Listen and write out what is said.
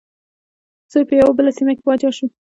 زوی په یوه بله سیمه کې پاچا شو.